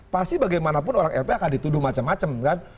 pasti bagaimanapun orang lp akan dituduh macam macam kan